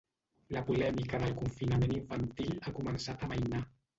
La polèmica del confinament infantil ha començat a amainar.